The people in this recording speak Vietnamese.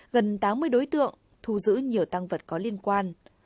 gần tám mươi đối tượng thu giữ nhiều tăng vật có liên quan